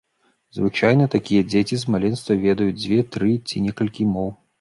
Звычайна такія дзеці з маленства ведаюць дзве, тры ці некалькі моў.